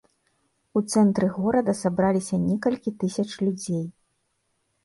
У цэнтры горада сабраліся некалькі тысяч людзей.